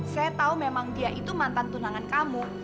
saya tahu memang dia itu mantan tunangan kamu